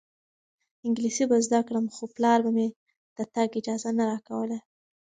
انګلیسي به زده کړم خو پلار مې د تګ اجازه نه راکوله.